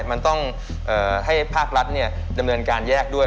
มันต้องให้ภาครัฐดำเนินการแยกด้วย